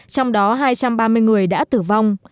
trong đó hai trăm ba mươi người đã tử vong